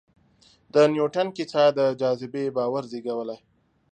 د نیوټن کیسه د جاذبې باور زېږولی.